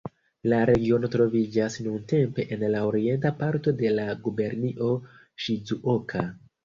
La regiono troviĝas nuntempe en la orienta parto de la gubernio Ŝizuoka.